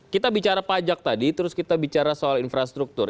kita bicara pajak tadi terus kita bicara soal infrastruktur